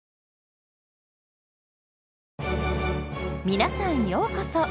皆さんようこそ！